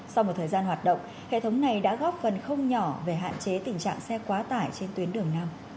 sau một thời gian hoạt động hệ thống này đã góp phần không nhỏ về hạn chế tình trạng xe quá tải trên tuyến đường năm